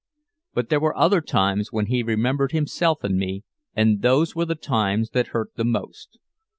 But there were other times when he remembered himself and me, and those were the times that hurt the most.